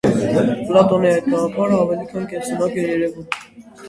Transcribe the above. Պլատոնի այդ գաղափարն ավելի քան կենսունակ էր երևում։